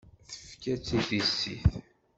Tefka-tt i tissit.